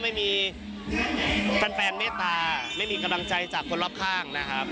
ไม่มีแฟนเมตตาไม่มีกำลังใจจากคนรอบข้างนะครับ